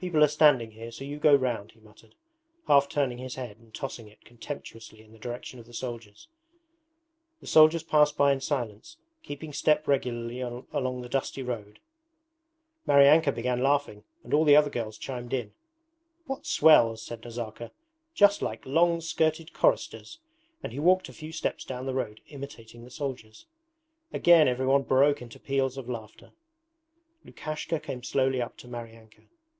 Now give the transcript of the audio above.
'People are standing here, so you go round,' he muttered, half turning his head and tossing it contemptuously in the direction of the soldiers. The soldiers passed by in silence, keeping step regularly along the dusty road. Maryanka began laughing and all the other girls chimed in. 'What swells!' said Nazarka, 'Just like long skirted choristers,' and he walked a few steps down the road imitating the soldiers. Again everyone broke into peals of laughter. Lukashka came slowly up to Maryanka.